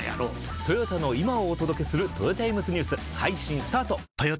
トヨタの今をお届けするトヨタイムズニュース配信スタート！！！